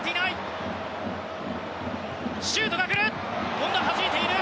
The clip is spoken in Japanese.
シュートがくる！